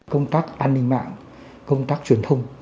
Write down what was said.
công tác an ninh mạng công tác truyền thông